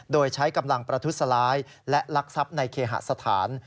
โดยใช้กำลังประทุษร้ายและลักทรัพย์ในเคหสถาน